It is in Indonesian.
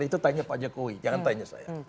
itu tanya pak jokowi jangan tanya saya